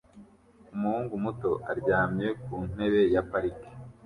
Umuhungu muto aryamye ku ntebe ya parike